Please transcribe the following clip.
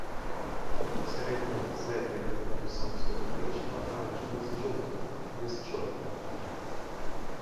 Сярэднія і заднія галёнкі самцоў карычнева-аранжавыя з жоўтым, без чорнага.